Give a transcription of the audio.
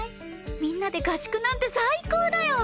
みんなで合宿なんて最高だよ！